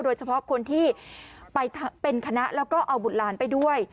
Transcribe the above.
โดยเฉพาะคนที่ไปเป็นคณะแล้วก็เอาบุตรหลานไปด้วย